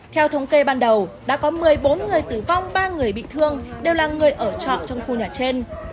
theo thống kê ban đầu đã có một mươi bốn người tử vong ba người bị thương đều là người ở trọ trong khu nhà trên